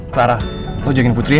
clara lo jagain putri ya